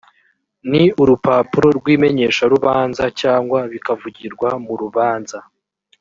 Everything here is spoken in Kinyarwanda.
ni urupapuro rw imenyesharubanza cyangwa bikavugirwa mu rubanza